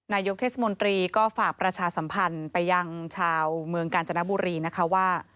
นายกเทศมนตรีก็ฝากประชาสัมพันธ์ไปยังชาวเมืองกาญจนบุรีนะคะว่า